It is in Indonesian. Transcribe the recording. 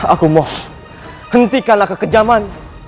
aku mohon hentikanlah kekejaman